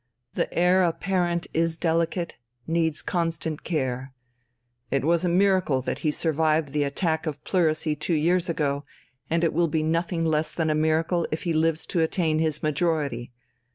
The Heir Apparent is delicate, needs constant care. It was a miracle that he survived that attack of pleurisy two years ago, and it will be nothing less than a miracle if he lives to attain his majority.